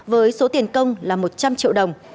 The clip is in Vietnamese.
với số tiền công là một trăm linh triệu đồng